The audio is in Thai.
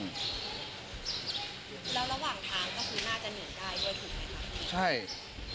แล้วระหว่างทางก็คือน่าจะเหนื่อยได้ด้วยถูกไหมคะใช่